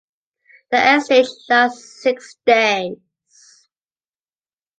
The egg stage lasts six days.